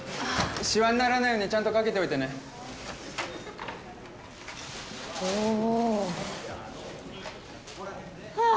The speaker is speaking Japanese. シワにならないようにちゃんとかけておいてねおおーはあー！